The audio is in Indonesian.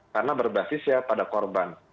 karena berbasis ya pada korban